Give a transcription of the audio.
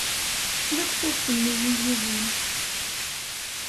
Maɣef ur tenni i yiwen?